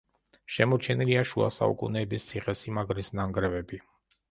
შემორჩენილია შუა საუკუნეების ციხესიმაგრის ნანგრევები.